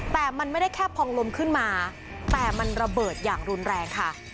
แต่มันไม่ได้แค่พองลมขึ้นมาแต่มันระเบิดอย่างรุนแรงค่ะ